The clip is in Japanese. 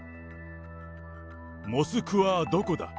モスクワはどこだ？